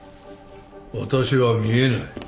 私は見えない。